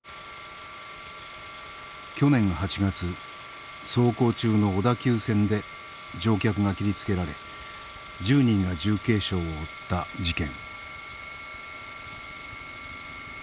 去年８月走行中の小田急線で乗客が切りつけられ１０人が重軽傷を負った事件。